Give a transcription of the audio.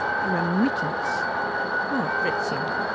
A remittance! Poor Fritzing.